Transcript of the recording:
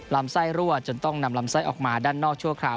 ลำไส้รั่วจนต้องนำลำไส้ออกมาด้านนอกชั่วคราว